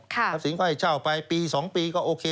ทรัพย์สินทร์ก็ให้เช่าไปปี๒ปีก็โอเค